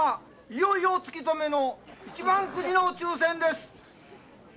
いよいよ突き止めの一番くじの抽選です！